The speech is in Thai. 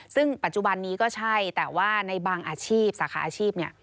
ซึ่งปัจจุบันนี้ก็ใช่แต่ว่าในบางอาชีพสาขาอาชีพเนี่ย